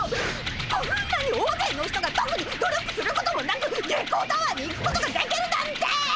こんなに大勢の人がとくに努力することもなく月光タワーに行くことができるなんて！